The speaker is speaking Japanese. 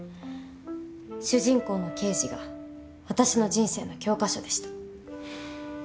主人公の刑事が私の人生の教科書でした。